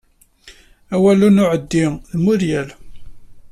Awal n uɛeddi d Muiriel.